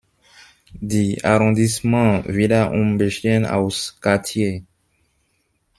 Die "arrondissements" wiederum bestehen aus "quartiers".